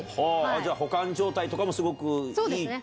保管状態とかもすごくいい？